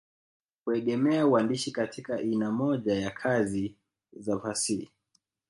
Kuegemeza uandishi katika ina moja ya kazi za fasihi